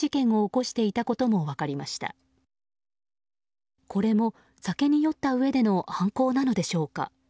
これも酒に酔ったうえでの犯行なのでしょうか。